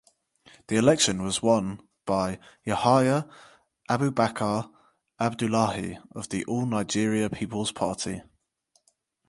The election was won by Yahaya Abubakar Abdullahi of the All Nigeria Peoples Party.